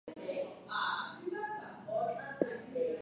Ash was reportedly twice sentenced to death as a spy.